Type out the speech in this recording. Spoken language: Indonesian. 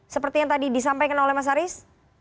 seperti yang tadi disampaikan oleh mas haris